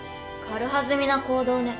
軽はずみな行動ね。